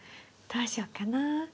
どうしよっかな？